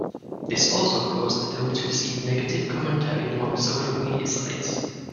This also caused the film to receive negative commentary along social media sites.